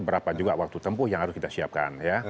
berapa juga waktu tempuh yang harus kita siapkan